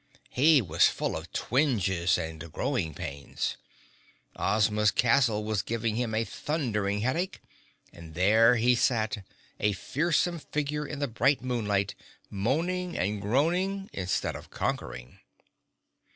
He was full of twinges and growing pains. Ozma's castle was giving him a thundering headache, and there he sat, a fearsome figure in the bright moonlight, moaning and groaning instead of conquering.